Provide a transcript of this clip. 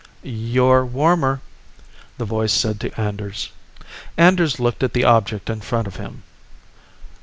"You're warmer," the voice said to Anders. Anders looked at the object in front of him.